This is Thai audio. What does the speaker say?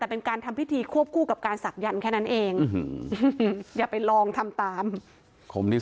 แต่เป็นการทำพิธีควบคู่กับการศักยันต์แค่นั้นเองอย่าไปลองทำตามนี้